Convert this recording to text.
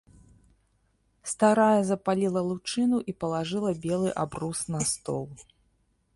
Старая запаліла лучыну і палажыла белы абрус на стол.